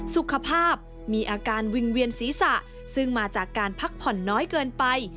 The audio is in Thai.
สุขภาพมีอาการวิ่งเวียนศีรษะซึ่งมาจากการพักผ่อนน้อยเกินไป